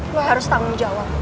gue harus tanggung jawab